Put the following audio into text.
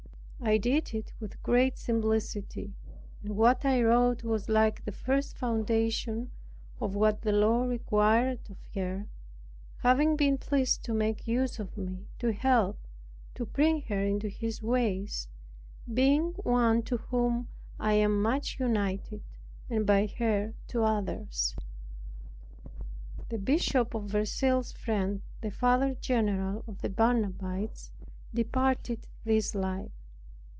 I did it with great simplicity; and what I wrote was like the first foundation of what the Lord required of her, having been pleased to make use of me to help to bring her into His ways, being one to whom I am much united, and by her to others. The Bishop of Verceil's friend, the Father general of the Barnabites, departed this life.